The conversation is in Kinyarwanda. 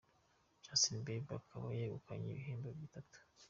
Justin Bieber akaba yegukanye ibihembo bitatu.